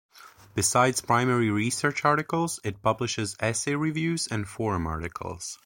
Besides primary research articles, it publishes "Essay Reviews" and "Forum" articles.